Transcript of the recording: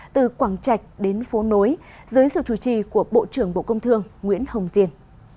từ quảng trạch đến phố nối dưới sự chủ trì của bộ trưởng bộ công thương nguyễn hồng diên